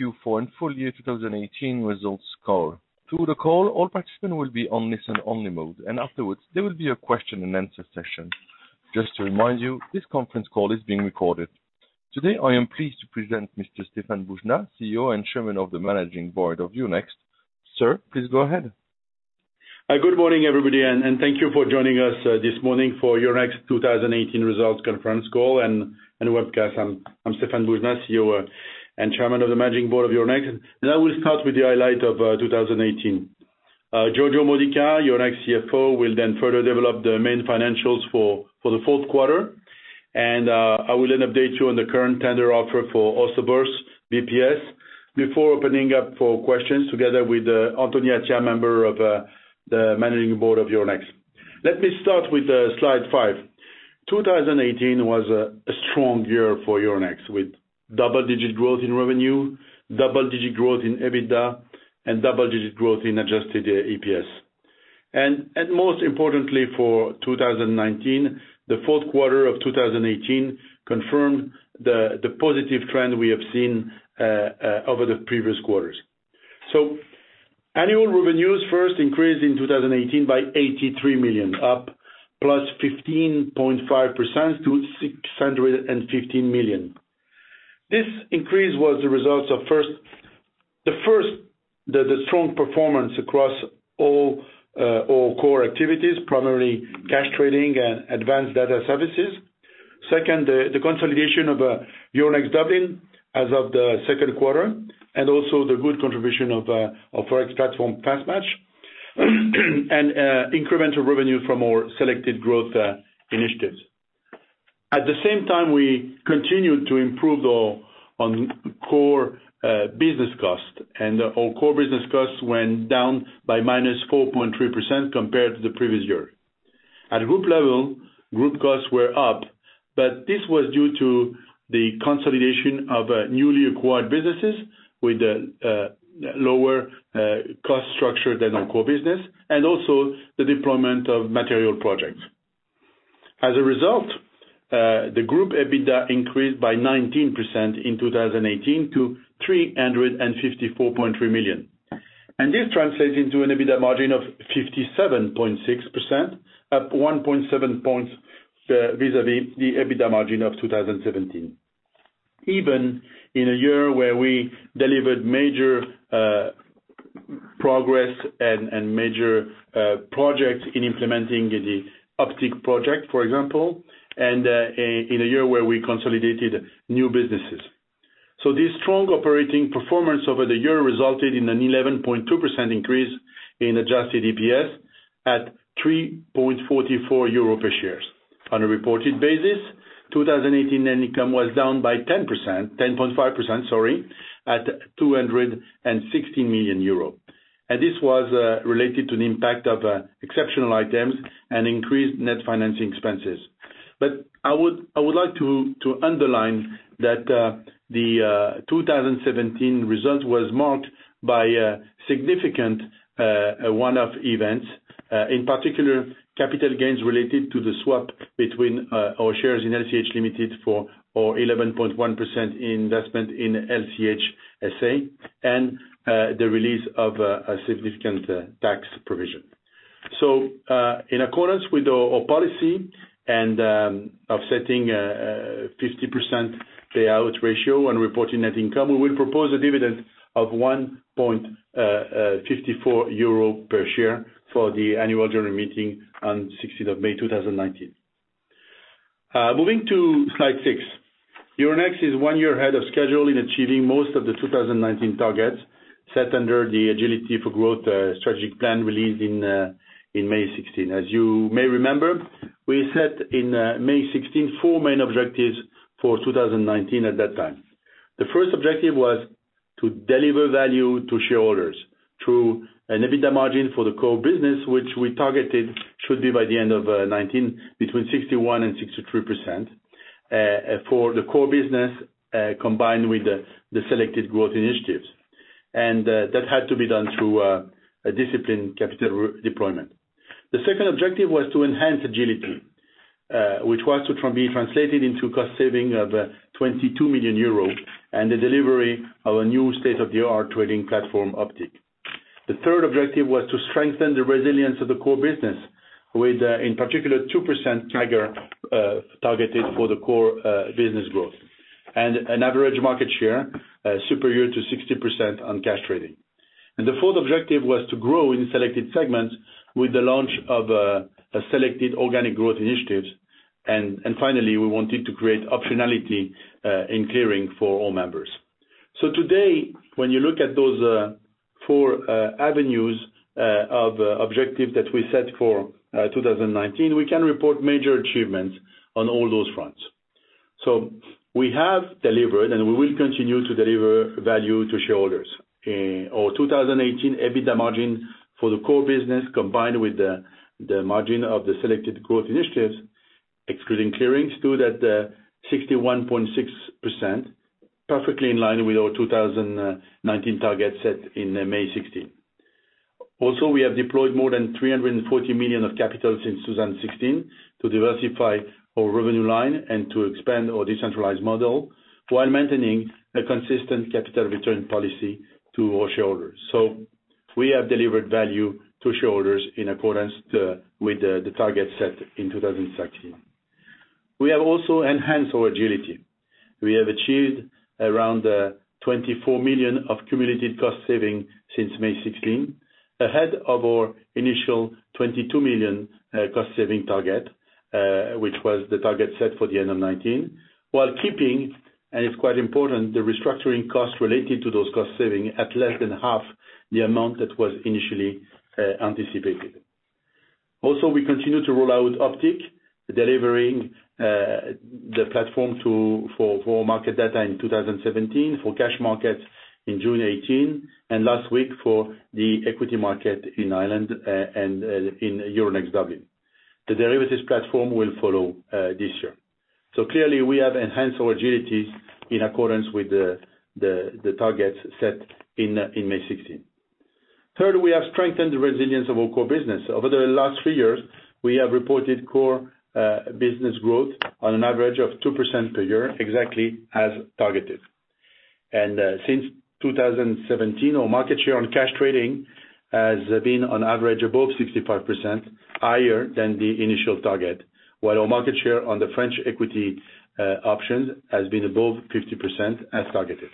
Q4 and full year 2018 results call. Through the call, all participants will be on listen-only mode, and afterwards there will be a question and answer session. Just to remind you, this conference call is being recorded. Today, I am pleased to present Mr. Stéphane Boujnah, CEO and Chairman of the Managing Board of Euronext. Sir, please go ahead. Hi. Good morning, everybody, and thank you for joining us this morning for Euronext 2018 results conference call and webcast. I'm Stéphane Boujnah, CEO and Chairman of the Managing Board of Euronext. I will start with the highlight of 2018. Giorgio Modica, Euronext CFO, will then further develop the main financials for the fourth quarter. I will then update you on the current tender offer for Oslo Børs VPS before opening up for questions together with Anthony, a Chairman of the Managing Board of Euronext. Let me start with slide five. 2018 was a strong year for Euronext, with double-digit growth in revenue, double-digit growth in EBITDA, and double-digit growth in adjusted EPS. Most importantly for 2019, the fourth quarter of 2018 confirmed the positive trend we have seen over the previous quarters. Annual revenues first increased in 2018 by 83 million, up +15.5% to 615 million. This increase was the result of the first, the strong performance across all core activities, primarily cash trading and Advanced Data Services. Second, the consolidation of Euronext Dublin as of the second quarter, and also the good contribution of our FX platform, FastMatch, and incremental revenue from our selected growth initiatives. At the same time, we continued to improve on core business costs. Our core business costs went down by -4.3% compared to the previous year. At group level, group costs were up, but this was due to the consolidation of newly acquired businesses with a lower cost structure than our core business, also the deployment of material projects. As a result, the group EBITDA increased by 19% in 2018 to 354.3 million. This translates into an EBITDA margin of 57.6%, up 1.7 points vis-à-vis the EBITDA margin of 2017, even in a year where we delivered major progress and major projects in implementing the Optiq Project, for example, and in a year where we consolidated new businesses. This strong operating performance over the year resulted in an 11.2% increase in adjusted EPS at 3.44 euro per share. On a reported basis, 2018 net income was down by 10.5% at 260 million euro. This was related to the impact of exceptional items and increased net financing expenses. I would like to underline that the 2017 result was marked by a significant one-off event, in particular, capital gains related to the swap between our shares in LCH Limited for our 11.1% investment in LCH SA and the release of a significant tax provision. In accordance with our policy and offsetting a 50% payout ratio on reported net income, we will propose a dividend of 1.54 euro per share for the annual general meeting on 16th of May 2019. Moving to slide six. Euronext is one year ahead of schedule in achieving most of the 2019 targets set under the Agility for Growth strategic plan released in May 2016. As you may remember, we set in May 2016, four main objectives for 2019 at that time. The first objective was to deliver value to shareholders through an EBITDA margin for the core business, which we targeted should be by the end of 2019 between 61%-63% for the core business, combined with the selected growth initiatives. That had to be done through a disciplined capital deployment. The second objective was to enhance agility, which was to be translated into cost saving of 22 million euros and the delivery of a new state-of-the-art trading platform, Optiq. The third objective was to strengthen the resilience of the core business with, in particular, 2% CAGR targeted for the core business growth, and an average market share superior to 60% on cash trading. The fourth objective was to grow in selected segments with the launch of selected organic growth initiatives. Finally, we wanted to create optionality in clearing for all members. Today, when you look at those four avenues of objective that we set for 2019, we can report major achievements on all those fronts. We have delivered, and we will continue to deliver value to shareholders. Our 2018 EBITDA margin for the core business, combined with the margin of the selected growth initiatives, excluding clearings, stood at 61.6%, perfectly in line with our 2019 target set in May 2016. Also, we have deployed more than 340 million of capital since 2016 to diversify our revenue line and to expand our decentralized model while maintaining a consistent capital return policy to our shareholders. We have delivered value to shareholders in accordance with the target set in 2016. We have also enhanced our agility. We have achieved around 24 million of cumulative cost-saving since May 2016, ahead of our initial 22 million cost-saving target, which was the target set for the end of 2019, while keeping, and it's quite important, the restructuring cost related to those cost-saving at less than half the amount that was initially anticipated. Also, we continue to roll out Optiq, delivering the platform for market data in 2017, for cash markets in June 2018, and last week for the equity market in Ireland and in Euronext Dublin. The derivatives platform will follow this year. Clearly, we have enhanced our agility in accordance with the targets set in May 2016. Third, we have strengthened the resilience of our core business. Over the last three years, we have reported core business growth on an average of 2% per year, exactly as targeted. Since 2017, our market share on cash trading has been on average above 65%, higher than the initial target, while our market share on the French equity options has been above 50% as targeted.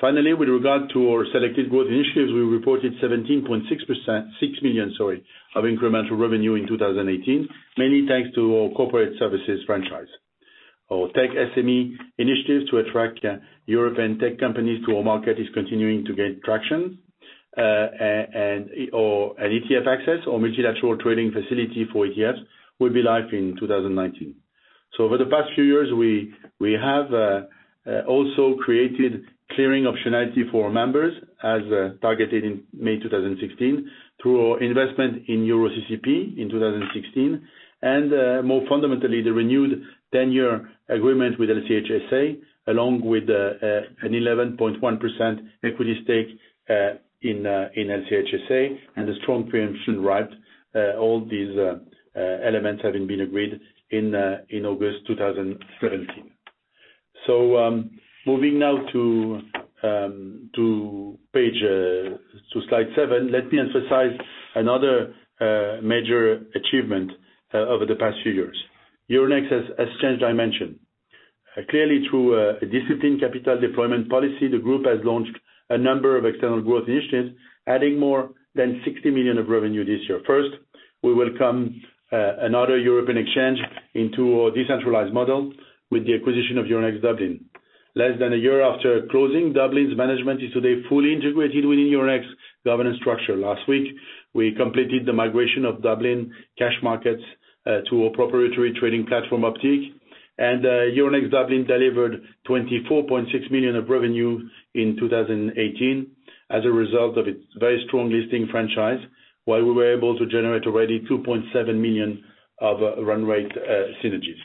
Finally, with regard to our selected growth initiatives, we reported 17.6 million of incremental revenue in 2018, mainly thanks to our Corporate Services franchise. Our Tech SME initiatives to attract European tech companies to our market is continuing to gain traction, ETF access, our multilateral trading facility for ETFs, will be live in 2019. Over the past few years, we have also created clearing optionality for our members as targeted in May 2016 through our investment in EuroCCP in 2016. More fundamentally, the renewed ten-year agreement with LCH SA, along with an 11.1% equity stake in LCH SA and a strong pre-emption right. All these elements having been agreed in August 2017. Moving now to slide seven, let me emphasize another major achievement over the past few years. Euronext has changed dimension. Clearly through a disciplined capital deployment policy, the group has launched a number of external growth initiatives, adding more than 60 million of revenue this year. First, we welcome another European exchange into our decentralized model with the acquisition of Euronext Dublin. Less than a year after closing, Dublin's management is today fully integrated within Euronext's governance structure. Last week, we completed the migration of Dublin cash markets to our proprietary trading platform, Optiq. Euronext Dublin delivered 24.6 million of revenue in 2018 as a result of its very strong listing franchise, while we were able to generate already 2.7 million of run rate synergies.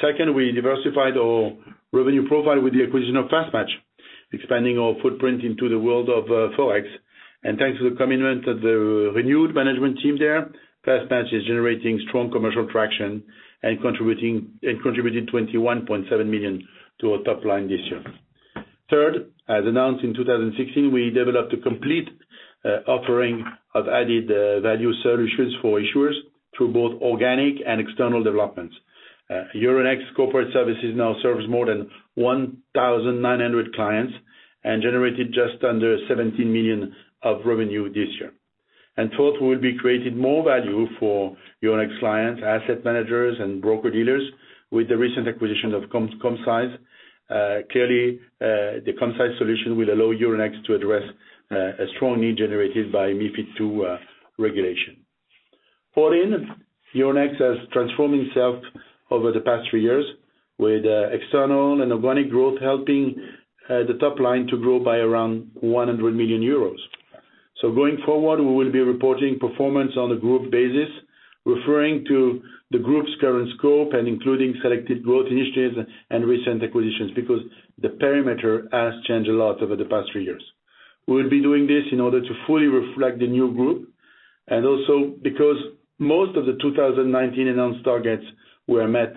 Second, we diversified our revenue profile with the acquisition of FastMatch, expanding our footprint into the world of Forex. Thanks to the commitment of the renewed management team there, FastMatch is generating strong commercial traction and contributing 21.7 million to our top line this year. Third, as announced in 2016, we developed a complete offering of added value solutions for issuers through both organic and external developments. Euronext Corporate Services now serves more than 1,900 clients and generated just under 17 million of revenue this year. Fourth, we will be creating more value for Euronext clients, asset managers, and broker-dealers with the recent acquisition of Commcise. Clearly, the Commcise solution will allow Euronext to address a strong need generated by MiFID II regulation. Four in, Euronext has transformed itself over the past three years with external and organic growth helping the top line to grow by around 100 million euros. Going forward, we will be reporting performance on a group basis, referring to the group's current scope and including selected growth initiatives and recent acquisitions, because the perimeter has changed a lot over the past three years. We will be doing this in order to fully reflect the new group, and also because most of the 2019 announced targets were met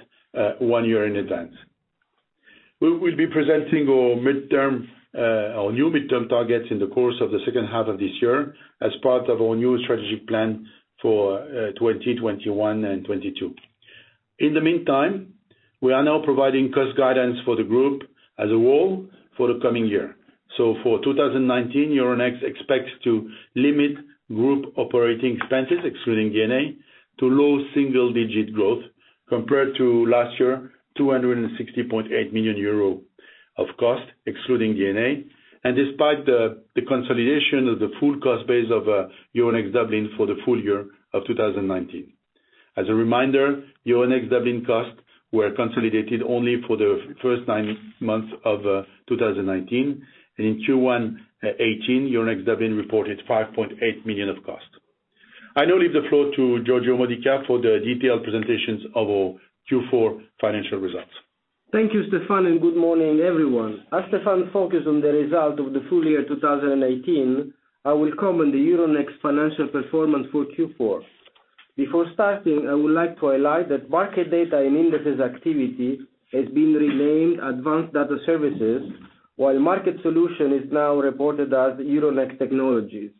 one year in advance. We will be presenting our new midterm targets in the course of the second half of this year as part of our new strategic plan for 2020, 2021, and 2022. In the meantime, we are now providing cost guidance for the group as a whole for the coming year. For 2019, Euronext expects to limit group operating expenses, excluding D&A, to low single-digit growth compared to last year, 260.8 million euro of cost, excluding D&A. Despite the consolidation of the full cost base of Euronext Dublin for the full year of 2019. As a reminder, Euronext Dublin costs were consolidated only for the first nine months of 2018, and in Q1 2018, Euronext Dublin reported 5.8 million of costs. I now leave the floor to Giorgio Modica for the detailed presentations of our Q4 financial results. Thank you, Stéphane, and good morning, everyone. As Stéphane focused on the result of the full year 2018, I will comment the Euronext financial performance for Q4. Before starting, I would like to highlight that market data and indices activity has been renamed Advanced Data Services, while Market Solutions is now reported as Euronext Technologies.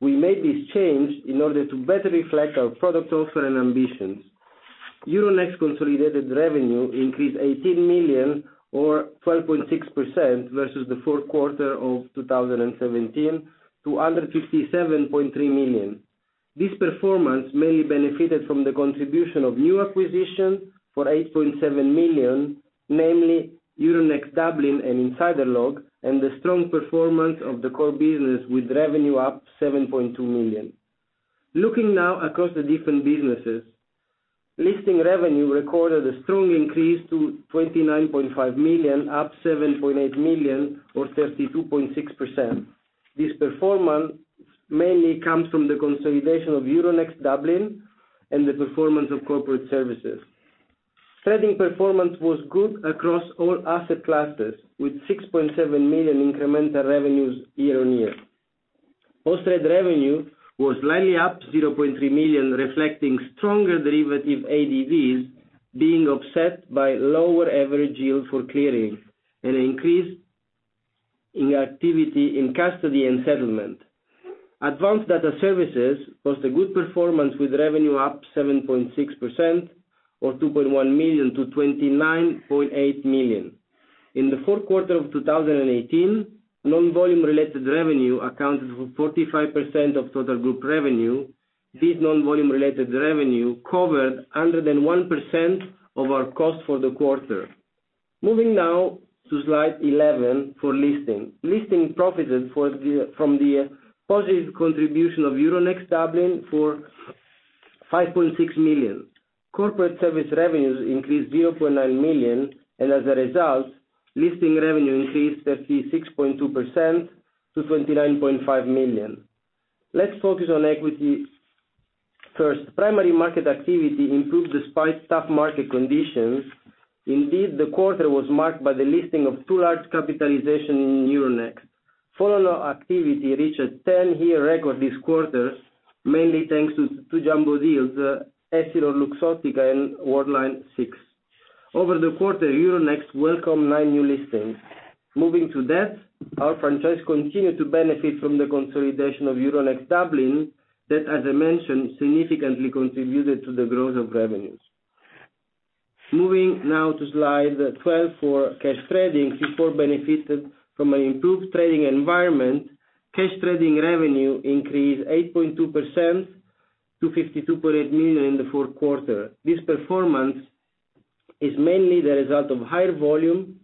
We made this change in order to better reflect our product offer and ambitions. Euronext consolidated revenue increased 18 million or 12.6% versus the fourth quarter of 2017 to 157.3 million. This performance mainly benefited from the contribution of new acquisitions for 8.7 million, namely Euronext Dublin and InsiderLog, and the strong performance of the core business with revenue up 7.2 million. Looking now across the different businesses. Listing revenue recorded a strong increase to 29.5 million, up 7.8 million or 32.6%. This performance mainly comes from the consolidation of Euronext Dublin and the performance of Euronext Corporate Services. Trading performance was good across all asset classes, with 6.7 million incremental revenues year-on-year. Post trade revenue was slightly up 0.3 million, reflecting stronger derivative ADVs being offset by lower average yield for clearing and an increase in activity in custody and settlement. Advanced Data Services posted a good performance with revenue up 7.6% or 2.1 million to 29.8 million. In the fourth quarter of 2018, non-volume related revenue accounted for 45% of total group revenue. This non-volume related revenue covered 101% of our cost for the quarter. Moving now to slide 11 for listing. Listing profited from the positive contribution of Euronext Dublin for 5.6 million. Euronext Corporate Services revenues increased 0.9 million and as a result, listing revenue increased 36.2% to 29.5 million. Let's focus on equity first. Primary market activity improved despite tough market conditions. Indeed, the quarter was marked by the listing of two large capitalization in Euronext. Follower activity reached a ten-year record this quarter, mainly thanks to two jumbo deals, EssilorLuxottica and Worldline. Over the quarter, Euronext welcomed nine new listings. Moving to debt, our franchise continued to benefit from the consolidation of Euronext Dublin, that as I mentioned, significantly contributed to the growth of revenues. Moving now to slide 12 for cash trading. Q4 benefited from an improved trading environment. Cash trading revenue increased 8.2% to 52.8 million in the fourth quarter. This performance is mainly the result of higher volume,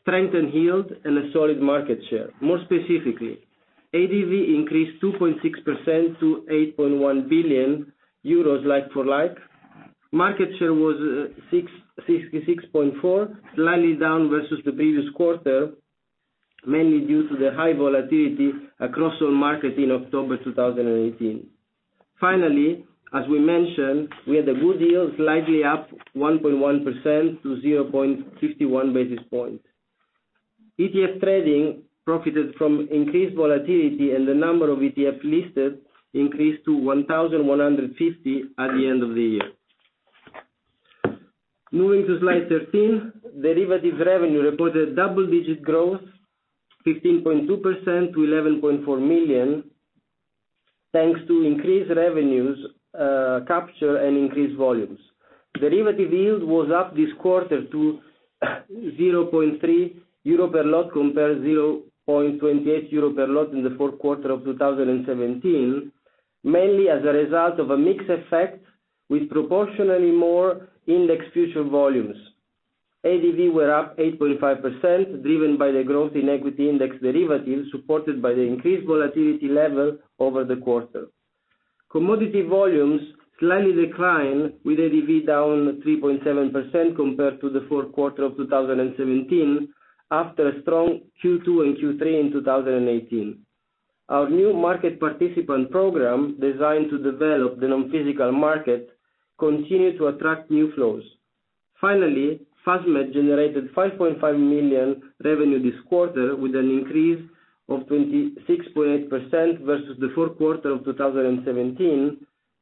strengthened yield, and a solid market share. More specifically, ADV increased 2.6% to 8.1 billion euros like-for-like. Market share was 66.4%, slightly down versus the previous quarter, mainly due to the high volatility across all markets in October 2018. Finally, as we mentioned, we had a good yield, slightly up 1.1% to 0.51 basis points. ETF trading profited from increased volatility, and the number of ETF listed increased to 1,150 at the end of the year. Moving to slide 13, derivatives revenue reported double-digit growth 15.2% to 11.4 million, thanks to increased revenues capture and increased volumes. Derivative yield was up this quarter to 0.3 euro per lot, compared to 0.28 euro per lot in the fourth quarter of 2017, mainly as a result of a mix effect with proportionally more index future volumes. ADV were up 8.5%, driven by the growth in equity index derivatives, supported by the increased volatility level over the quarter. Commodity volumes slightly declined with ADV down 3.7% compared to the fourth quarter of 2017 after a strong Q2 and Q3 in 2018. Our new market participant program, designed to develop the non-physical market, continued to attract new flows. FastMatch generated 5.5 million revenue this quarter with an increase of 26.8% versus the fourth quarter of 2017,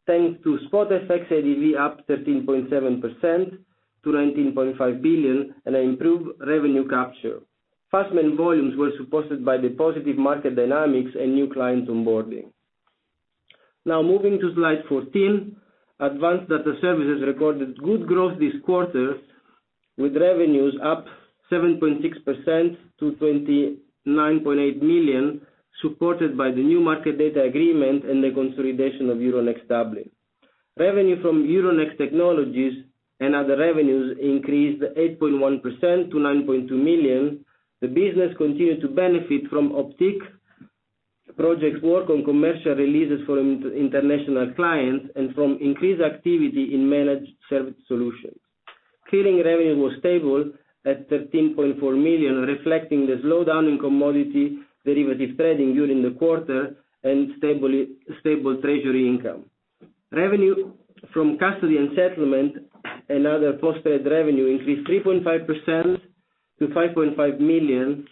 thanks to spot FX ADV up 13.7% to 19.5 billion and an improved revenue capture. FastMatch volumes were supported by the positive market dynamics and new clients onboarding. Moving to slide 14. Advanced Data Services recorded good growth this quarter, with revenues up 7.6% to 29.8 million, supported by the new market data agreement and the consolidation of Euronext Dublin. Revenue from Euronext Technologies and other revenues increased 8.1% to 9.2 million. The business continued to benefit from Optiq projects work on commercial releases for international clients and from increased activity in managed service solutions. Clearing revenue was stable at 13.4 million, reflecting the slowdown in commodity derivatives trading during the quarter, and stable treasury income. Revenue from custody and settlement and other posted revenue increased 3.5% to 5.5 million,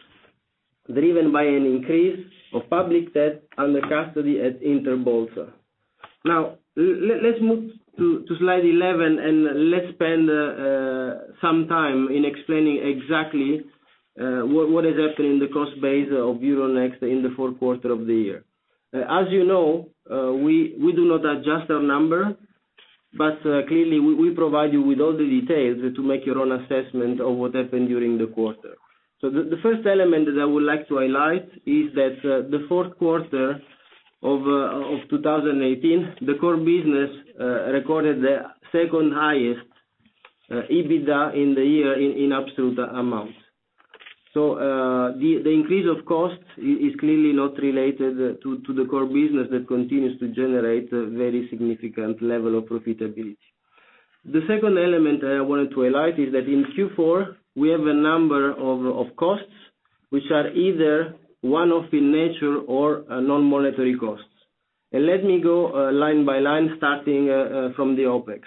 driven by an increase of public debt under custody at Interbolsa. Let's move to slide 11. Let's spend some time in explaining exactly what has happened in the cost base of Euronext in the fourth quarter of the year. As you know, we do not adjust our number. Clearly, we provide you with all the details to make your own assessment of what happened during the quarter. The first element that I would like to highlight is that the fourth quarter of 2018, the core business recorded the second-highest EBITDA in the year in absolute amount. The increase of cost is clearly not related to the core business that continues to generate a very significant level of profitability. The second element I wanted to highlight is that in Q4, we have a number of costs, which are either one-off in nature or non-monetary costs. Let me go line by line, starting from the OpEx.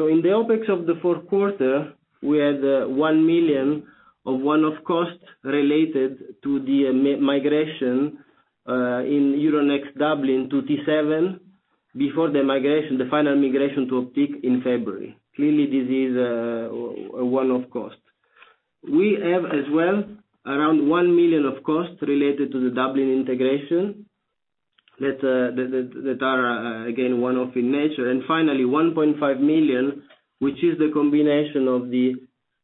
In the OpEx of the fourth quarter, we had 1 million of one-off costs related to the migration in Euronext Dublin to T7 before the final migration to Optiq in February. Clearly, this is a one-off cost. We have as well, around 1 million of costs related to the Dublin integration that are, again, one-off in nature. Finally, 1.5 million, which is the combination of the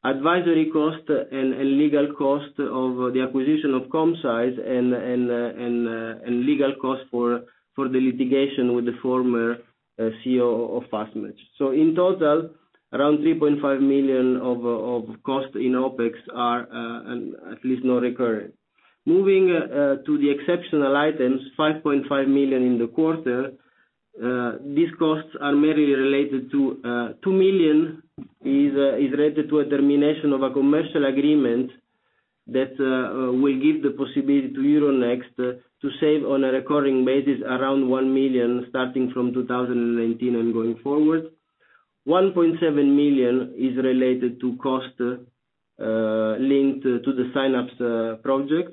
advisory cost and legal cost of the acquisition of Commcise and legal cost for the litigation with the former CEO of FastMatch. In total, around 3.5 million of cost in OpEx are at least not recurring. Moving to the exceptional items, 5.5 million in the quarter. These costs are mainly related to. 2 million is related to a termination of a commercial agreement that will give the possibility to Euronext to save on a recurring basis around 1 million, starting from 2019 and going forward. 1.7 million is related to cost linked to the Synapse projects.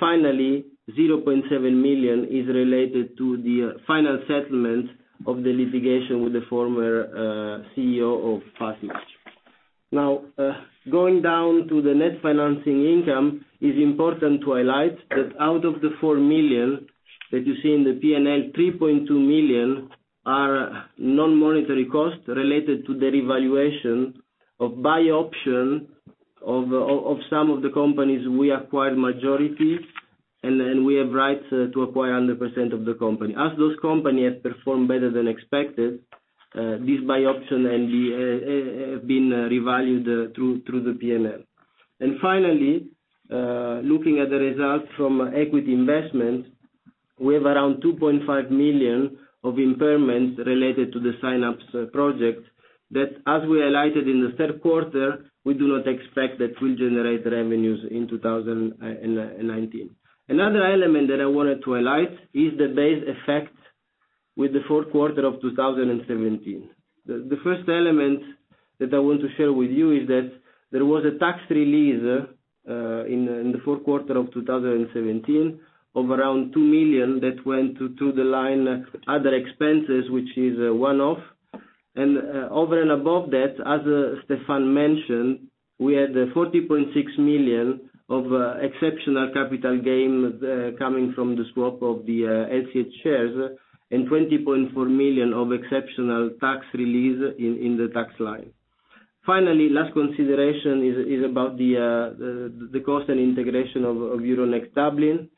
Finally, 0.7 million is related to the final settlement of the litigation with the former CEO of FastMatch. Going down to the net financing income, it is important to highlight that out of the 4 million that you see in the P&L, 3.2 million are non-monetary costs related to the revaluation of buy option of some of the companies we acquired majority, and we have rights to acquire 100% of the company. As those company has performed better than expected, this buy option have been revalued through the P&L. Finally, looking at the results from equity investment, we have around 2.5 million of impairments related to the Synapse project, that as we highlighted in the third quarter, we do not expect that will generate revenues in 2019. Another element that I wanted to highlight is the base effect with the fourth quarter of 2017. The first element that I want to share with you is that there was a tax release in the fourth quarter of 2017 of around 2 million that went to the line Other Expenses, which is a one-off. Over and above that, as Stéphane mentioned, we had 40.6 million of exceptional capital gain coming from the swap of the LCH shares and 20.4 million of exceptional tax release in the tax line. Last consideration is about the cost and integration of Euronext Dublin.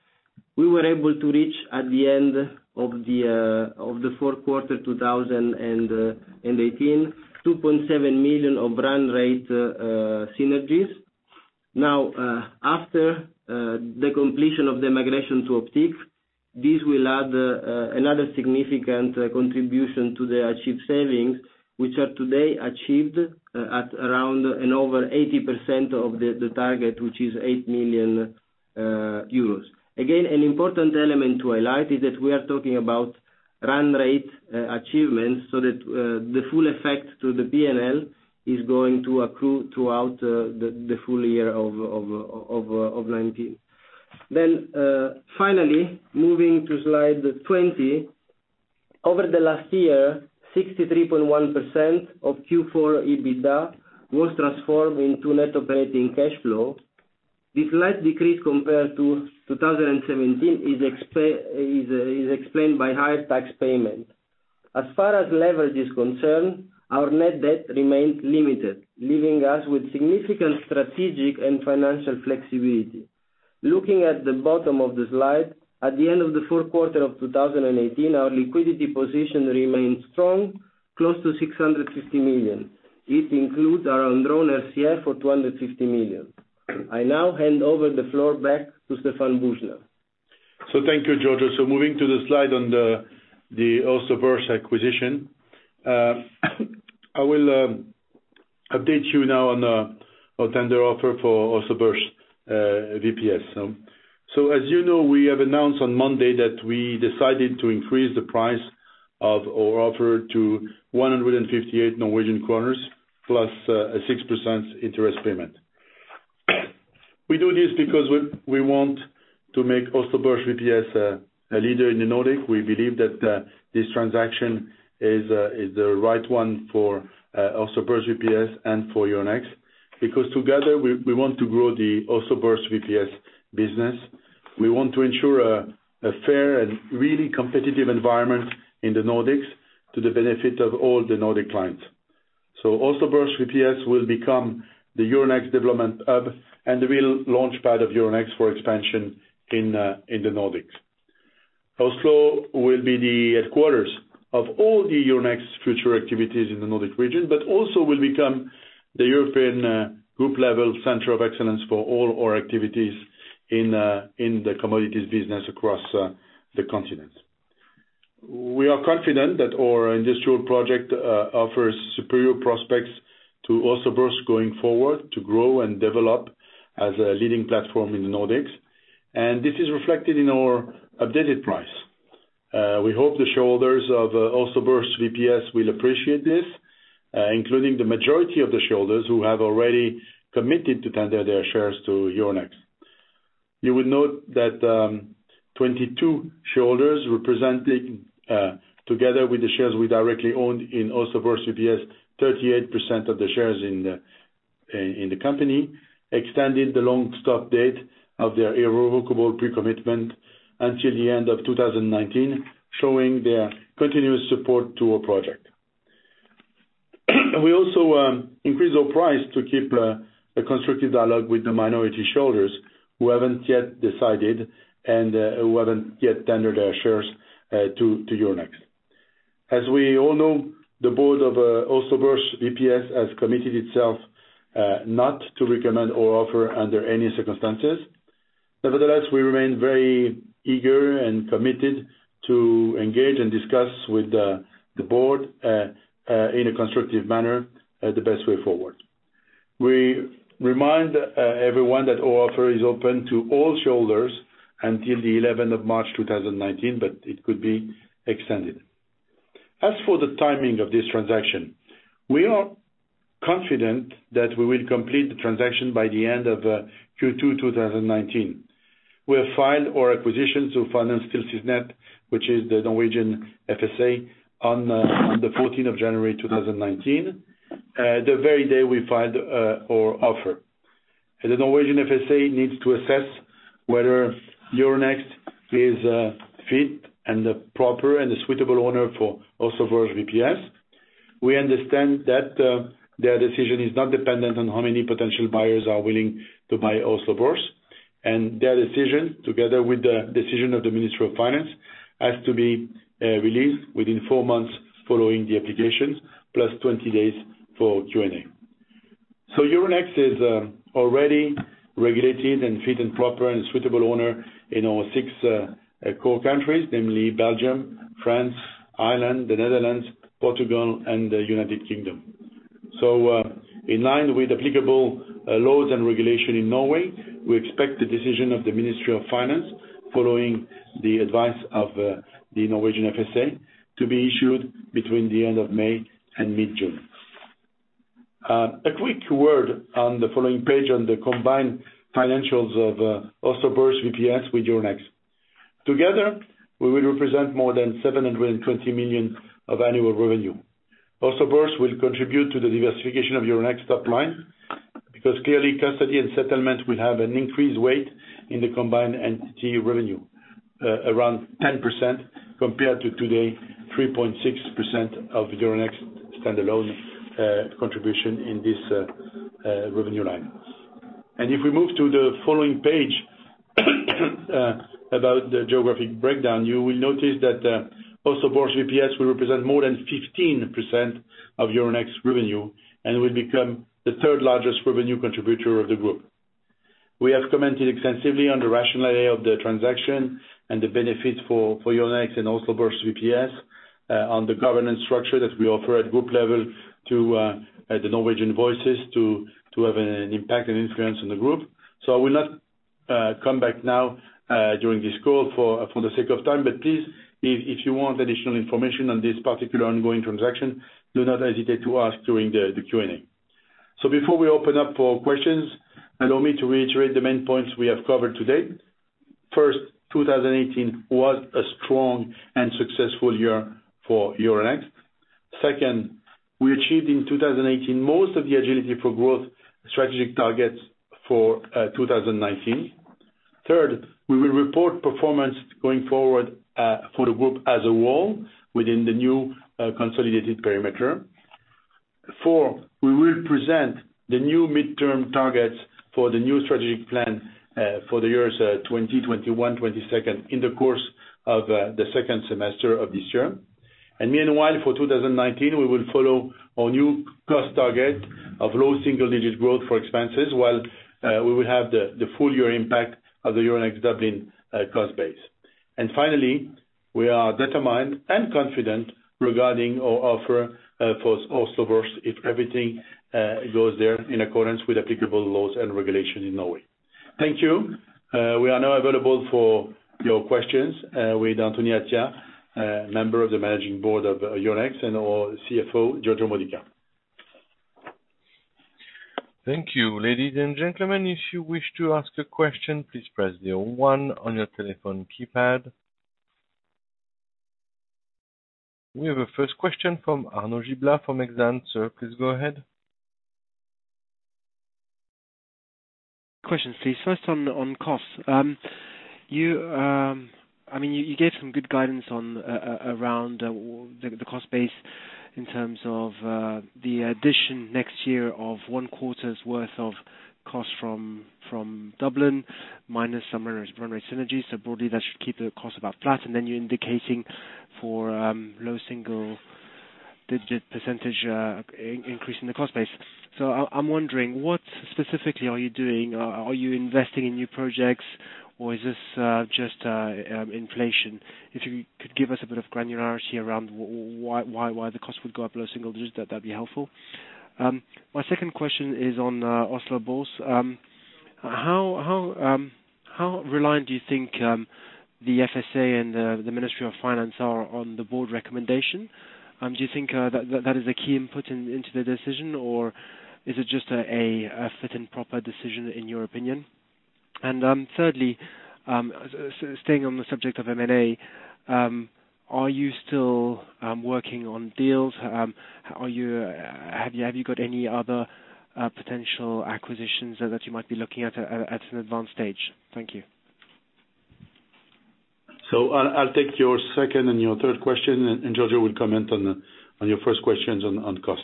We were able to reach at the end of the fourth quarter 2018, 2.7 million of run rate synergies. After the completion of the migration to Optiq, this will add another significant contribution to the achieved savings, which are today achieved at around and over 80% of the target, which is 8 million euros. An important element to highlight is that we are talking about run rate achievements so that the full effect to the P&L is going to accrue throughout the full year of 2019. Finally, moving to slide 20. Over the last year, 63.1% of Q4 EBITDA was transformed into net operating cash flow. This slight decrease compared to 2017 is explained by higher tax payment. As far as leverage is concerned, our net debt remained limited, leaving us with significant strategic and financial flexibility. Looking at the bottom of the slide, at the end of the fourth quarter of 2018, our liquidity position remained strong, close to 650 million. This includes our undrawn RCF for 250 million. I now hand over the floor back to Stéphane Boujnah. Thank you, Giorgio. Moving to the slide on the Oslo Børs acquisition. I will update you now on our tender offer for Oslo Børs VPS. As you know, we have announced on Monday that we decided to increase the price of our offer to 158 Norwegian kroner plus a 6% interest payment. We do this because we want to make Oslo Børs VPS a leader in the Nordic. We believe that this transaction is the right one for Oslo Børs VPS and for Euronext, because together we want to grow the Oslo Børs VPS business. We want to ensure a fair and really competitive environment in the Nordics to the benefit of all the Nordic clients. Oslo Børs VPS will become the Euronext development hub, and the real launchpad of Euronext for expansion in the Nordics. Oslo will be the headquarters of all the Euronext future activities in the Nordic region, but also will become the European group level center of excellence for all our activities in the commodities business across the continent. We are confident that our industrial project offers superior prospects to Oslo Børs going forward to grow and develop as a leading platform in the Nordics, and this is reflected in our updated price. We hope the shareholders of Oslo Børs VPS will appreciate this, including the majority of the shareholders who have already committed to tender their shares to Euronext. You will note that 22 shareholders representing, together with the shares we directly own in Oslo Børs VPS, 38% of the shares in the company, extended the long stop date of their irrevocable pre-commitment until the end of 2019, showing their continuous support to our project. We also increase our price to keep a constructive dialogue with the minority shareholders who haven't yet decided and who haven't yet tendered their shares to Euronext. As we all know, the board of Oslo Børs VPS has committed itself not to recommend our offer under any circumstances. Nevertheless, we remain very eager and committed to engage and discuss with the board, in a constructive manner, the best way forward. We remind everyone that our offer is open to all shareholders until the 11th of March 2019, but it could be extended. As for the timing of this transaction, we are confident that we will complete the transaction by the end of Q2 2019. We have filed our acquisition to Finanstilsynet, which is the Norwegian FSA, on the 14th of January 2019, the very day we filed our offer. The Norwegian FSA needs to assess whether Euronext is fit and the proper and the suitable owner for Oslo Børs VPS. Their decision, together with the decision of the Ministry of Finance, has to be released within four months following the applications, plus 20 days for Q&A. Euronext is already regulated and fit and proper and suitable owner in our six core countries, namely Belgium, France, Ireland, the Netherlands, Portugal, and the United Kingdom. In line with applicable laws and regulation in Norway, we expect the decision of the Ministry of Finance following the advice of the Norwegian FSA to be issued between the end of May and mid-June. A quick word on the following page on the combined financials of Oslo Børs VPS with Euronext. Together, we will represent more than 720 million of annual revenue. Oslo Børs will contribute to the diversification of Euronext's top line, because clearly, custody and settlement will have an increased weight in the combined entity revenue, around 10% compared to today, 3.6% of Euronext standalone contribution in this revenue line. If we move to the following page about the geographic breakdown, you will notice that Oslo Børs VPS will represent more than 15% of Euronext's revenue and will become the third-largest revenue contributor of the group. We have commented extensively on the rationale of the transaction and the benefits for Euronext and Oslo Børs VPS on the governance structure that we offer at group level to the Norwegian voices to have an impact and influence on the group. I will not come back now during this call for the sake of time. Please, if you want additional information on this particular ongoing transaction, do not hesitate to ask during the Q&A. Before we open up for questions, allow me to reiterate the main points we have covered today. First, 2018 was a strong and successful year for Euronext. Second, we achieved in 2018 most of the Agility for Growth strategic targets for 2019. Third, we will report performance going forward for the group as a whole within the new consolidated parameter. Fourth, we will present the new midterm targets for the new strategic plan for the years 2021, 2022 in the course of the second semester of this year. Meanwhile, for 2019, we will follow our new cost target of low single-digit growth for expenses, while we will have the full year impact of the Euronext Dublin cost base. Finally, we are determined and confident regarding our offer for Oslo Børs if everything goes there in accordance with applicable laws and regulations in Norway. Thank you. We are now available for your questions with Anthony Attia, a member of the managing board of Euronext, and our CFO, Giorgio Modica. Thank you. Ladies and gentlemen, if you wish to ask a question, please press zero one on your telephone keypad. We have a first question from Arnaud Giblat from Exane. Sir, please go ahead. Questions, please. First on costs. You gave some good guidance around the cost base in terms of the addition next year of one quarter's worth of costs from Dublin, minus some run rate synergies. Broadly, that should keep the cost about flat. Then you're indicating for low single-digit percentage increase in the cost base. I'm wondering, what specifically are you doing? Are you investing in new projects or is this just inflation? If you could give us a bit of granularity around why the cost would go up low single digits, that'd be helpful. My second question is on Oslo Børs. How reliant do you think the FSA and the Ministry of Finance are on the board recommendation? Do you think that is a key input into the decision, or is it just a fit and proper decision in your opinion? Thirdly, staying on the subject of M&A, are you still working on deals? Have you got any other potential acquisitions that you might be looking at an advanced stage? Thank you. I'll take your second and your third question, Giorgio will comment on your first questions on cost.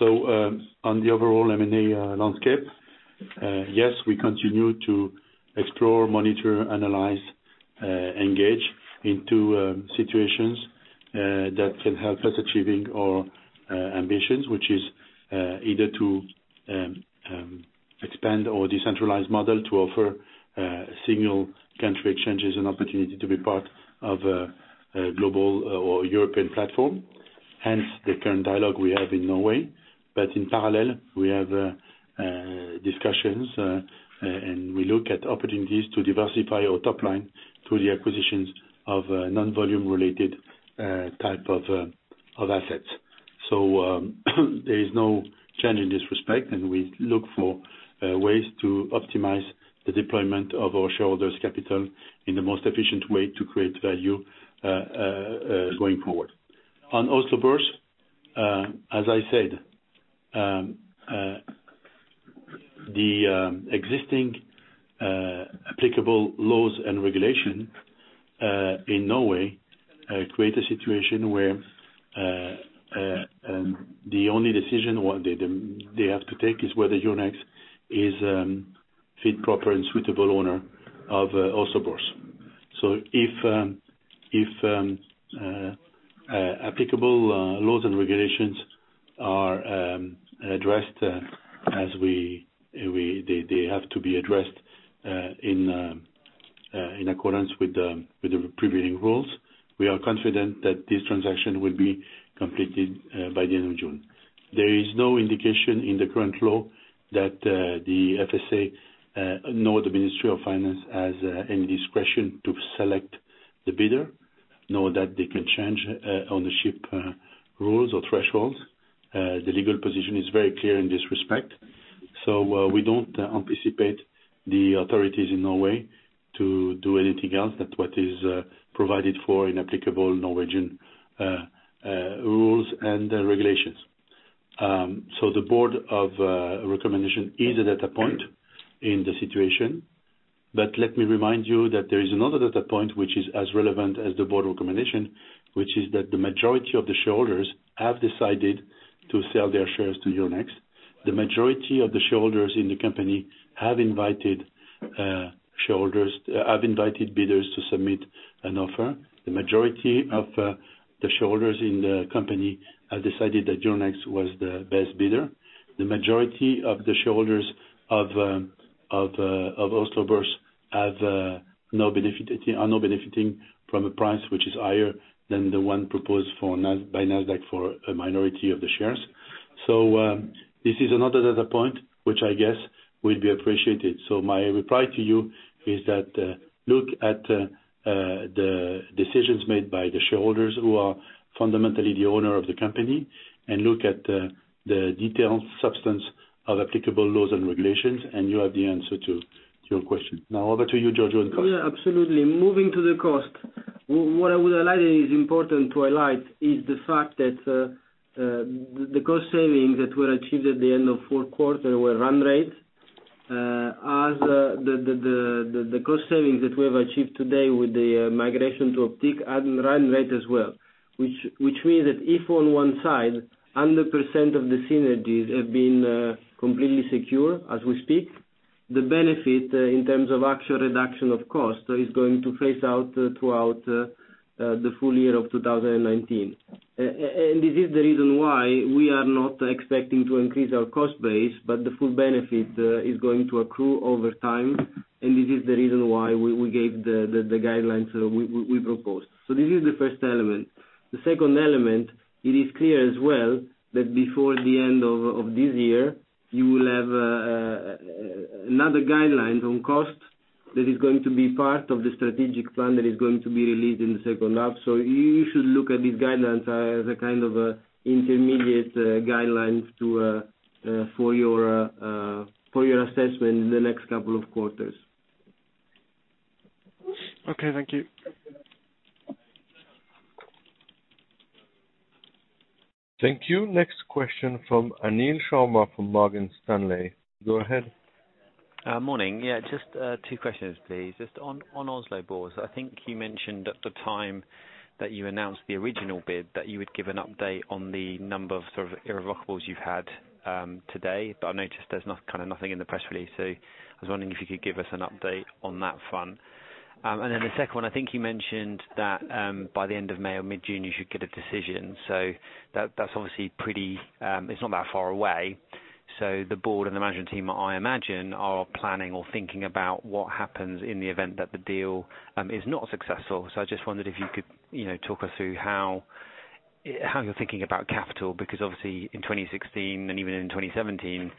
On the overall M&A landscape, yes, we continue to explore, monitor, analyze, engage into situations that can help us achieving our ambitions, which is either to expand our decentralized model to offer single country exchanges an opportunity to be part of a global or European platform, hence the current dialogue we have in Norway. In parallel, we have discussions, and we look at opportunities to diversify our top line through the acquisitions of non-volume related type of assets. There is no change in this respect, and we look for ways to optimize the deployment of our shareholders' capital in the most efficient way to create value going forward. On Oslo Børs, as I said, the existing applicable laws and regulation in Norway create a situation where the only decision what they have to take is whether Euronext is a fit, proper, and suitable owner of Oslo Børs. If applicable laws and regulations are addressed as they have to be addressed in accordance with the prevailing rules, we are confident that this transaction will be completed by the end of June. There is no indication in the current law that the FSA nor the Ministry of Finance has any discretion to select the bidder, nor that they can change ownership rules or thresholds. The legal position is very clear in this respect. We don't anticipate the authorities in Norway to do anything else that what is provided for in applicable Norwegian rules and regulations. The board of recommendation is a data point in the situation. Let me remind you that there is another data point which is as relevant as the board recommendation, which is that the majority of the shareholders have decided to sell their shares to Euronext. The majority of the shareholders in the company have invited bidders to submit an offer. The majority of the shareholders in the company have decided that Euronext was the best bidder. The majority of the shareholders of Oslo Børs are not benefiting from a price which is higher than the one proposed by Nasdaq for a minority of the shares. This is another data point which I guess will be appreciated. My reply to you is that look at the decisions made by the shareholders who are fundamentally the owner of the company, and look at the detailed substance of applicable laws and regulations, and you have the answer to your question. Now over to you, Giorgio, on cost. Yeah, absolutely. Moving to the cost. What I would highlight is important to highlight is the fact that the cost savings that were achieved at the end of 4 quarters were run rate, as the cost savings that we have achieved today with the migration to Optiq are run rate as well. Which means that if on one side, 100% of the synergies have been completely secure as we speak. The benefit in terms of actual reduction of cost is going to phase out throughout the full year of 2019. This is the reason why we are not expecting to increase our cost base, but the full benefit is going to accrue over time, and this is the reason why we gave the guidelines we proposed. This is the first element. The second element, it is clear as well that before the end of this year, you will have another guideline on costs that is going to be part of the strategic plan that is going to be released in the second half. You should look at these guidelines as a kind of intermediate guidelines for your assessment in the next couple of quarters. Okay, thank you. Thank you. Next question from Anil Sharma from Morgan Stanley. Go ahead. Just two questions, please. Just on Oslo Børs, I think you mentioned at the time that you announced the original bid that you would give an update on the number of sort of irrevocables you've had today. I noticed there's kind of nothing in the press release, so I was wondering if you could give us an update on that front. The second one, I think you mentioned that by the end of May or mid-June, you should get a decision, so that obviously it's not that far away. The board and the management team, I imagine, are planning or thinking about what happens in the event that the deal is not successful. I just wondered if you could talk us through how you're thinking about capital, because obviously in 2016 and even in 2017,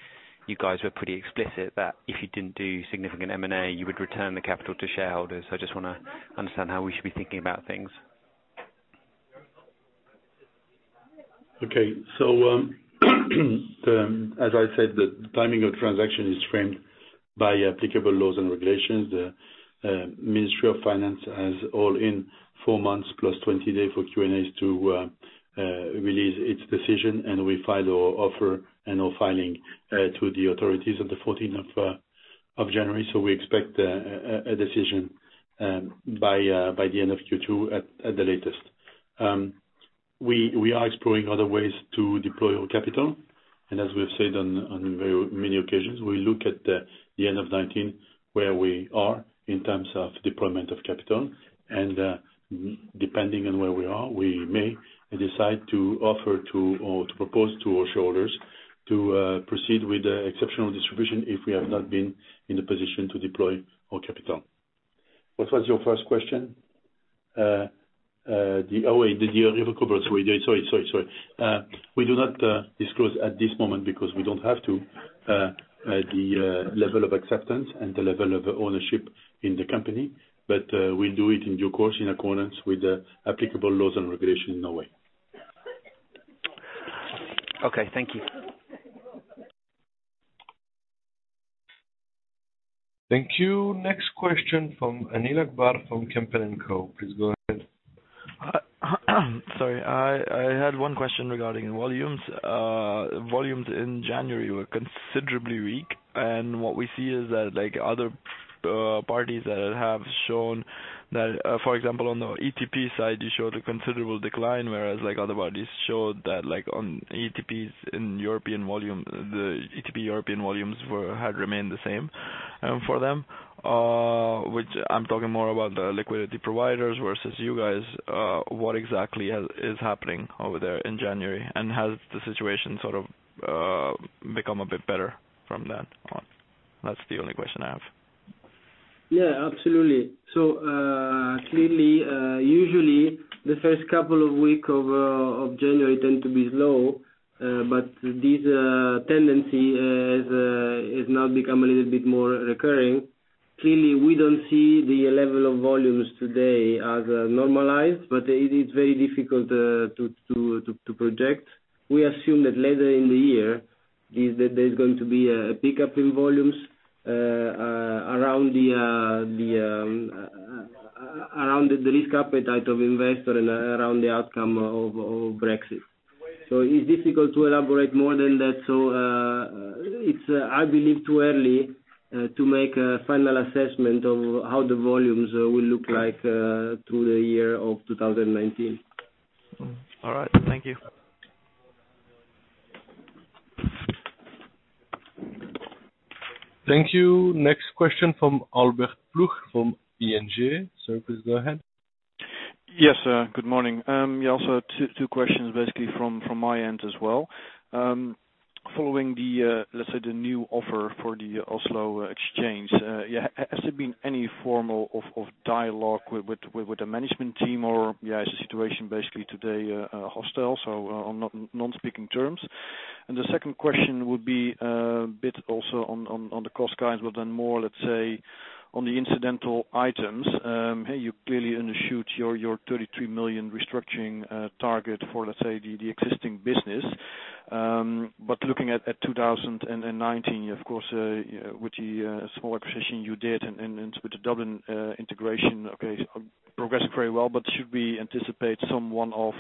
you guys were pretty explicit that if you didn't do significant M&A, you would return the capital to shareholders. I just want to understand how we should be thinking about things. Okay. As I said, the timing of transaction is framed by applicable laws and regulations. The Ministry of Finance has all in 4 months plus 20 day for Q&A to release its decision. We file our offer and our filing to the authorities on the 14th of January. We expect a decision by the end of Q2 at the latest. We are exploring other ways to deploy our capital. As we have said on very many occasions, we look at the end of 2019 where we are in terms of deployment of capital. Depending on where we are, we may decide to offer to or to propose to our shareholders to proceed with the exceptional distribution if we have not been in the position to deploy our capital. What was your first question? Oh, wait, the irrevocable. Sorry. We do not disclose at this moment because we don't have to, the level of acceptance and the level of ownership in the company. We'll do it in due course, in accordance with the applicable laws and regulations in Norway. Okay, thank you. Thank you. Next question from Anil Akbar from Kempen & Co. Please go ahead. Sorry. I had one question regarding volumes. Volumes in January were considerably weak, and what we see is that other parties that have shown that, for example, on the ETP side, you showed a considerable decline, whereas other bodies showed that on ETPs in European volume, the ETP European volumes had remained the same for them. Which I'm talking more about the liquidity providers versus you guys. What exactly is happening over there in January? Has the situation sort of become a bit better from that point? That's the only question I have. Yeah, absolutely. Clearly, usually the first couple of weeks of January tend to be slow. This tendency has now become a little bit more recurring. Clearly, we don't see the level of volumes today as normalized, but it is very difficult to project. We assume that later in the year, there's going to be a pickup in volumes around the risk appetite of investor and around the outcome of Brexit. It's difficult to elaborate more than that. It's, I believe, too early to make a final assessment of how the volumes will look like through the year of 2019. All right. Thank you. Thank you. Next question from Albert Ploegh from ING. Sir, please go ahead. Yes. Good morning. Also two questions basically from my end as well. Following the, let's say, the new offer for the Oslo Exchange, has there been any formal of dialogue with the management team, or is the situation basically today hostile, so on non-speaking terms? The second question would be a bit also on the cost guidance, but then more, let's say, on the incidental items. You clearly undershoot your 33 million restructuring target for, let's say, the existing business. Looking at 2019, of course, with the small acquisition you did and with the Dublin integration, okay, progressed very well. Should we anticipate some one-off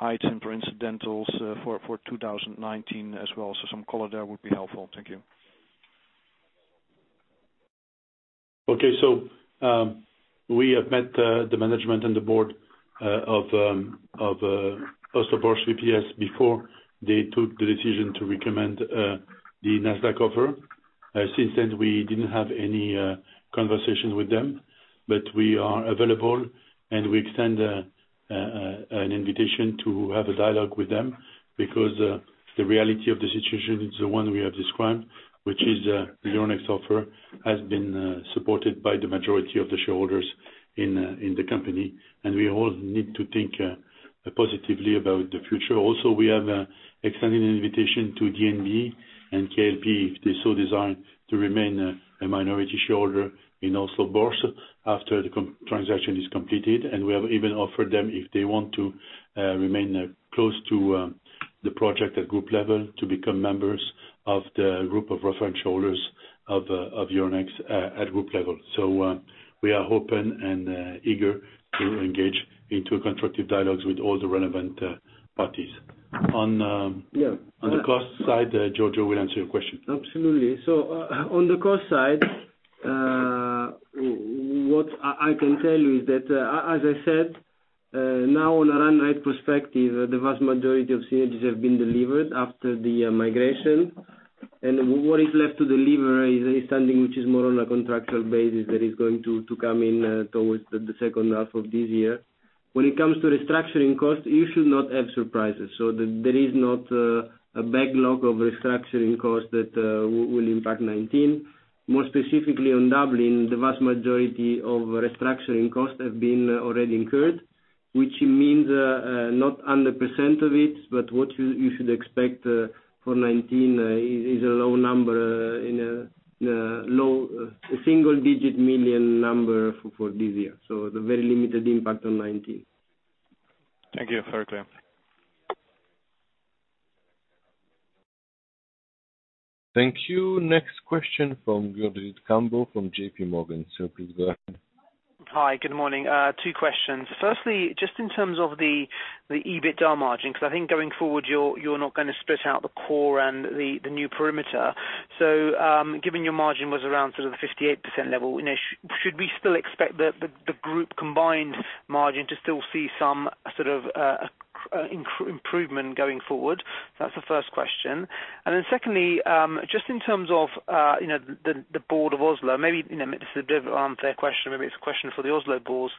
item for incidentals for 2019 as well? Some color there would be helpful. Thank you. Okay. We have met the management and the board of Oslo Børs VPS before they took the decision to recommend the Nasdaq offer. Since then, we didn't have any conversation with them, but we are available, and we extend an invitation to have a dialogue with them because the reality of the situation is the one we have described, which is Euronext offer has been supported by the majority of the shareholders in the company, and we all need to think positively about the future. Also, we have extended an invitation to DNB and KLP, if they so desire, to remain a minority shareholder in Oslo Børs after the transaction is completed. We have even offered them if they want to remain close to the project at group level to become members of the group of reference holders of Euronext at group level. We are open and eager to engage into constructive dialogues with all the relevant parties. Yeah. On the cost side, Giorgio will answer your question. Absolutely. On the cost side, what I can tell you is that as I said, now on a run rate perspective, the vast majority of synergies have been delivered after the migration. What is left to deliver is outstanding, which is more on a contractual basis that is going to come in towards the second half of this year. When it comes to restructuring costs, you should not have surprises. There is not a backlog of restructuring costs that will impact 2019. More specifically on Dublin, the vast majority of restructuring costs have been already incurred, which means not 100% of it, but what you should expect for 2019 is a low number in a single-digit million number for this year. A very limited impact on 2019. Thank you. Very clear. Thank you. Next question from Gurjit Kambo from JPMorgan. Please go ahead. Hi, good morning. Two questions. Firstly, just in terms of the EBITDA margin, because I think going forward, you're not going to split out the core and the new perimeter. Given your margin was around sort of the 58% level, should we still expect the group combined margin to still see some sort of improvement going forward? That's the first question. Secondly, just in terms of the board of Oslo, maybe this is a bit of an unfair question, maybe it's a question for the Oslo board.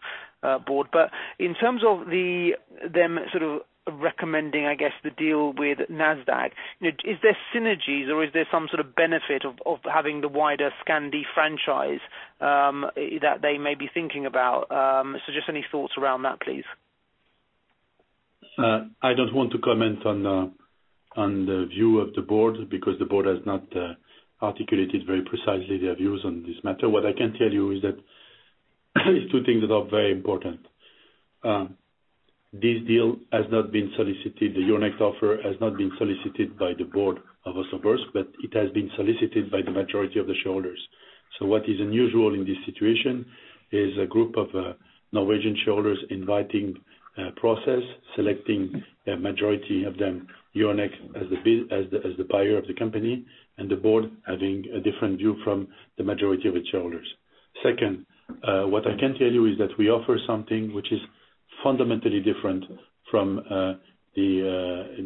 But in terms of them sort of recommending, I guess the deal with Nasdaq, is there synergies or is there some sort of benefit of having the wider Scandi franchise that they may be thinking about? Just any thoughts around that, please. I don't want to comment on the view of the board, because the board has not articulated very precisely their views on this matter. What I can tell you is that two things that are very important. This deal has not been solicited. The Euronext offer has not been solicited by the board of Oslo Børs, but it has been solicited by the majority of the shareholders. Second, what I can tell you is that we offer something which is fundamentally different from the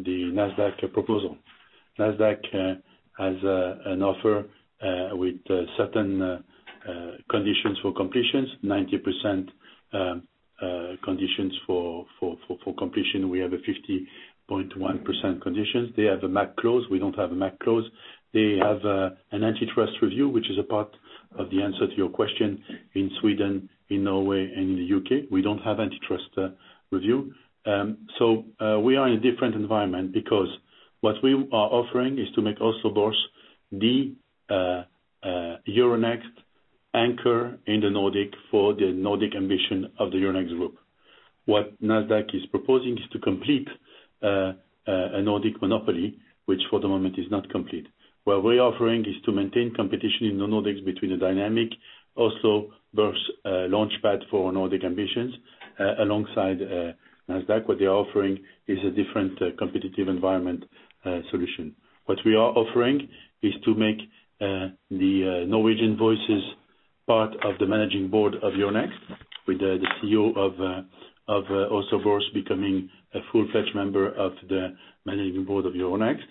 Nasdaq proposal. Nasdaq has an offer with certain conditions for completions, 90% conditions for completion. We have a 50.1% conditions. They have a MAC clause. We don't have a MAC clause. They have an antitrust review, which is a part of the answer to your question in Sweden, in Norway, and in the U.K. We don't have antitrust review. We are in a different environment because what we are offering is to make Oslo Børs the Euronext anchor in the Nordic for the Nordic ambition of the Euronext Group. What Nasdaq is proposing is to complete a Nordic monopoly, which for the moment is not complete. What we're offering is to maintain competition in the Nordics between a dynamic Oslo Børs launchpad for Nordic ambitions alongside Nasdaq. What they're offering is a different competitive environment solution. What we are offering is to make the Norwegian voices part of the managing board of Euronext with the CEO of Oslo Børs becoming a full-fledged member of the managing board of Euronext.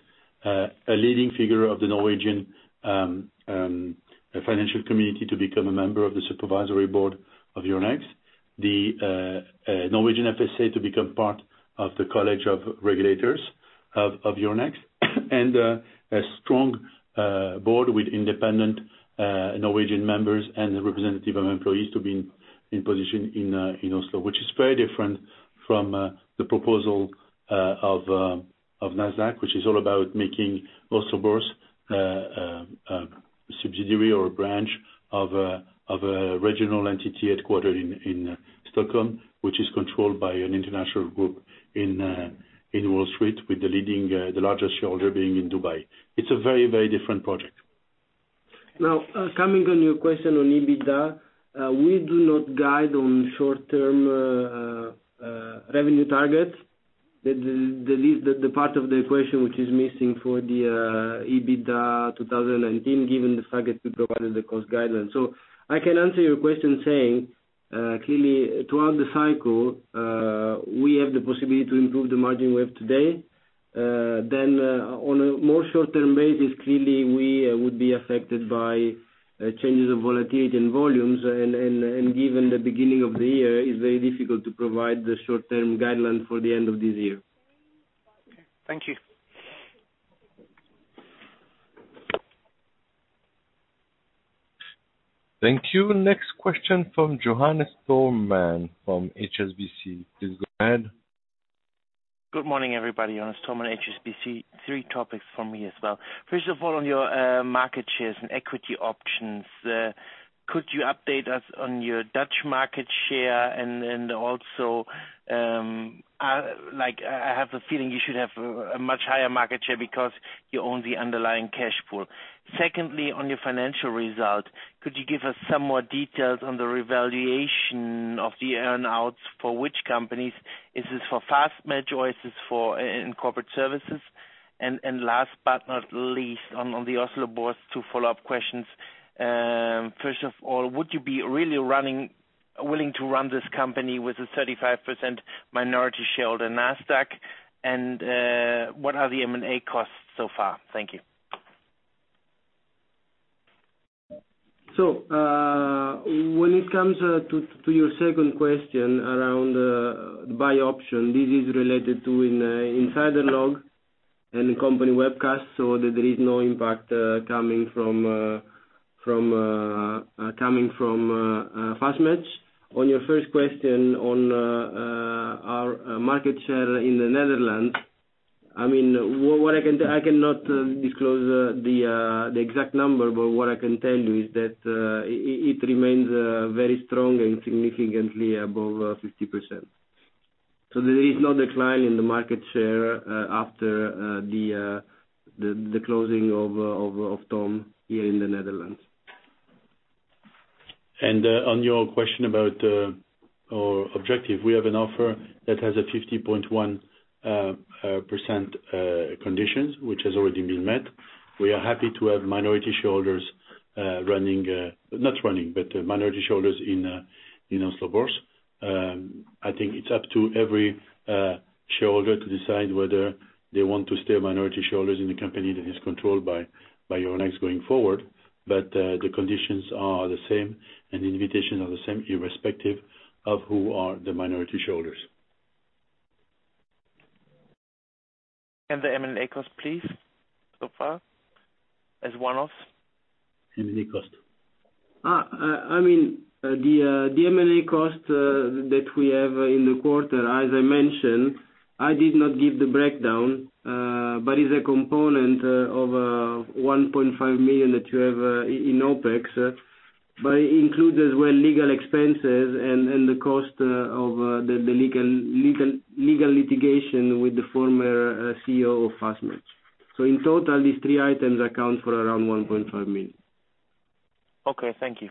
A leading figure of the Norwegian financial community to become a member of the supervisory board of Euronext. The Norwegian FSA to become part of the Euronext College of Regulators. A strong board with independent Norwegian members and representative of employees to be in position in Oslo. Which is very different from the proposal of Nasdaq, which is all about making Oslo Børs a subsidiary or a branch of a regional entity headquartered in Stockholm, which is controlled by an international group in Wall Street with the largest shareholder being in Dubai. It's a very, very different project. Coming on your question on EBITDA, we do not guide on short-term revenue targets. That is the part of the question which is missing for the EBITDA 2019, given the target we provided the cost guidance. I can answer your question saying, clearly throughout the cycle, we have the possibility to improve the margin we have today. On a more short-term basis, clearly we would be affected by changes of volatility in volumes. Given the beginning of the year, it's very difficult to provide the short-term guideline for the end of this year. Okay. Thank you. Thank you. Next question from Johannes Thormann from HSBC. Please go ahead. Good morning, everybody. Johannes Thormann, HSBC. Three topics from me as well. First of all, on your market shares and equity options, could you update us on your Dutch market share? Also, I have the feeling you should have a much higher market share because you own the underlying cash pool. Secondly, on your financial result, could you give us some more details on the revaluation of the earn-outs for which companies? Is this for FastMatch or is this in Euronext Corporate Services? Last but not least, on the Oslo Børs, two follow-up questions. First of all, would you be really willing to run this company with a 35% minority sharehold in Nasdaq? What are the M&A costs so far? Thank you. When it comes to your second question around the buy option, this is related to InsiderLog and Company Webcast. There is no impact coming from FastMatch. On your first question on our market share in the Netherlands. I cannot disclose the exact number, but what I can tell you is that it remains very strong and significantly above 50%. There is no decline in the market share after the closing of TOM here in the Netherlands. On your question about our objective, we have an offer that has a 50.1% conditions, which has already been met. We are happy to have minority shareholders in Oslo Børs. I think it's up to every shareholder to decide whether they want to stay a minority shareholder in the company that is controlled by Euronext going forward. The conditions are the same, the invitations are the same, irrespective of who are the minority shareholders. The M&A cost, please, so far, as one-offs? M&A cost. The M&A cost that we have in the quarter, as I mentioned, I did not give the breakdown, but it's a component of 1.5 million that you have in OpEx, but it includes as well legal expenses and the cost of the legal litigation with the former CEO of FastMatch. In total, these three items account for around 1.5 million. Okay. Thank you.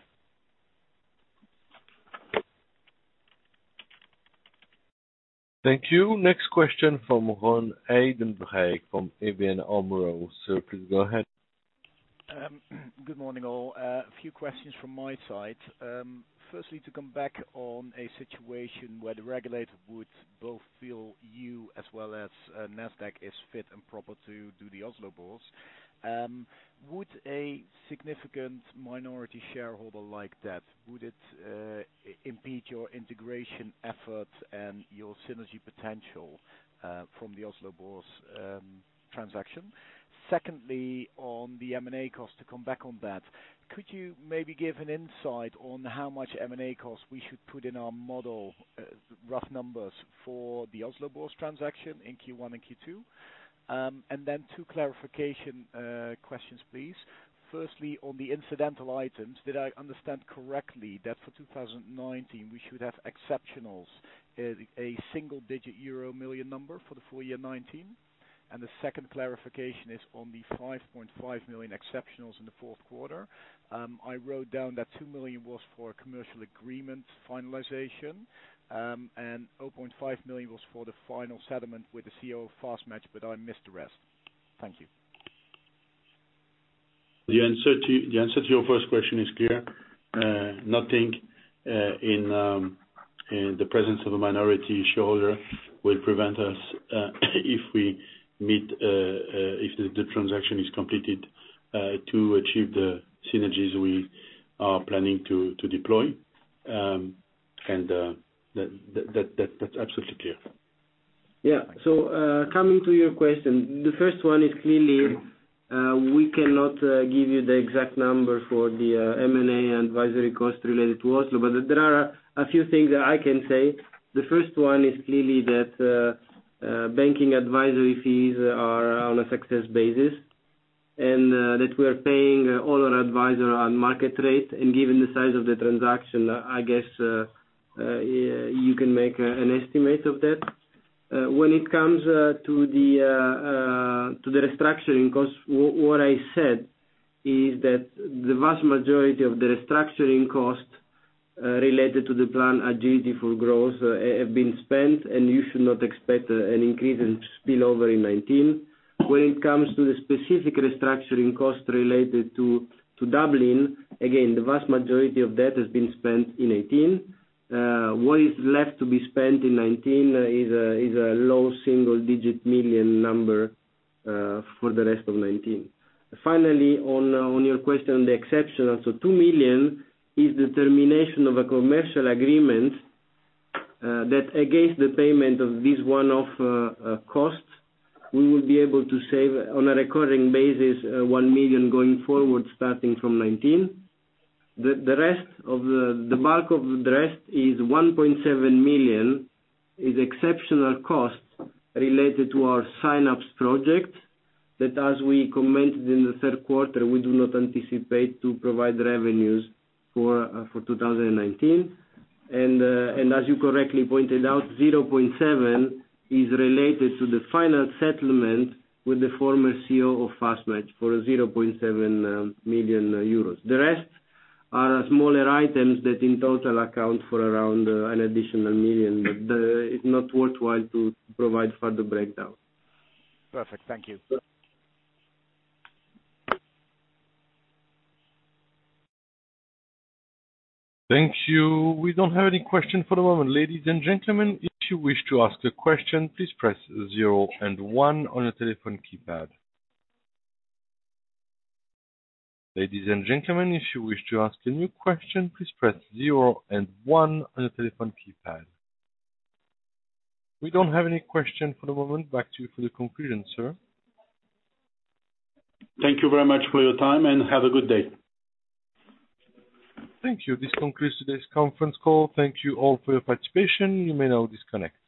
Thank you. Next question from Ron Heijdenrijk from ABN AMRO. Please go ahead. Good morning, all. A few questions from my side. Firstly, to come back on a situation where the regulator would both feel you as well as Nasdaq is fit and proper to do the Oslo Børs. Would a significant minority shareholder like that, would it impede your integration efforts and your synergy potential from the Oslo Børs transaction? Secondly, on the M&A cost, to come back on that, could you maybe give an insight on how much M&A cost we should put in our model, rough numbers, for the Oslo Børs transaction in Q1 and Q2? Two clarification questions, please. Firstly, on the incidental items, did I understand correctly that for 2019, we should have exceptionals, a single-digit euro million number for the full year 2019? The second clarification is on the 5.5 million exceptionals in the fourth quarter. I wrote down that 2 million was for commercial agreement finalization, 0.5 million was for the final settlement with the CEO of FastMatch. I missed the rest. Thank you. The answer to your first question is clear. Nothing in the presence of a minority shareholder will prevent us, if the transaction is completed, to achieve the synergies we are planning to deploy. That's absolutely clear. Coming to your question, the first one is clearly, we cannot give you the exact number for the M&A advisory cost related to Oslo. There are a few things that I can say. The first one is clearly that banking advisory fees are on a success basis, and that we are paying all our advisor on market rate. Given the size of the transaction, I guess you can make an estimate of that. When it comes to the restructuring cost, what I said is that the vast majority of the restructuring cost related to the plan, Agility for Growth, have been spent, and you should not expect an increase in spillover in 2019. When it comes to the specific restructuring costs related to Dublin, again, the vast majority of that has been spent in 2018. What is left to be spent in 2019 is a low single-digit million number for the rest of 2019. Finally, on your question on the exceptional. 2 million is the termination of a commercial agreement that, against the payment of this one-off cost, we will be able to save on a recurring basis, 1 million going forward starting from 2019. The bulk of the rest is 1.7 million is exceptional costs related to our Synapse project that, as we commented in the third quarter, we do not anticipate to provide revenues for 2019. As you correctly pointed out, 0.7 is related to the final settlement with the former CEO of FastMatch for 0.7 million euros. The rest are smaller items that in total account for around an additional 1 million, but it's not worthwhile to provide further breakdown. Perfect. Thank you. Thank you. We don't have any question for the moment. Ladies and gentlemen, if you wish to ask a question, please press zero and one on your telephone keypad. Ladies and gentlemen, if you wish to ask a new question, please press zero and one on your telephone keypad. We don't have any question for the moment. Back to you for the conclusion, sir. Thank you very much for your time, and have a good day. Thank you. This concludes today's conference call. Thank you all for your participation. You may now disconnect.